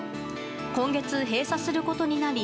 今月、閉鎖することになり